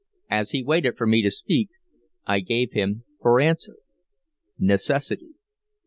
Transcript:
As he waited for me to speak, I gave him for answer, "Necessity."